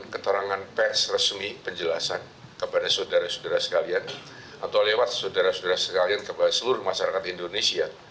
keterangan pers resmi penjelasan kepada saudara saudara sekalian atau lewat saudara saudara sekalian kepada seluruh masyarakat indonesia